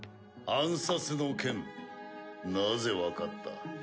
暗殺の件なぜ分かった？